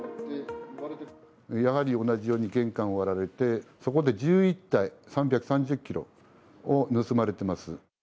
やはり同じように玄関を割られて、そこで１１袋３３０キロを盗まれてます。